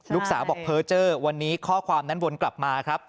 ลูกสาวบอกเพอร์เจอร์วันนี้ข้อความนั้นวนกลับมาครับ